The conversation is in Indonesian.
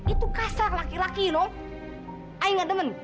itu laki laki yang kasar saya tidak suka